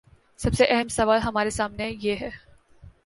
سب سے اہم سوال ہمارے سامنے یہ ہے۔